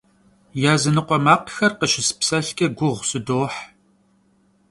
Yazınıkhue makhxer khışıspselhç'e guğu sıdoh.